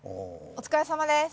お疲れさまです。